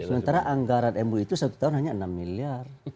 sementara anggaran mui itu satu tahun hanya enam miliar